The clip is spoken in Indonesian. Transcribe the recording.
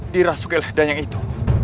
dirasuk oleh dayang itu